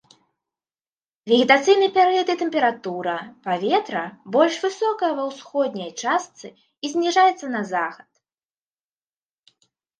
Вегетацыйны перыяд і тэмпература паветра больш высокая ва ўсходняй частцы і зніжаецца на захад.